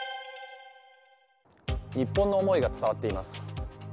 日本の思いが伝わっています。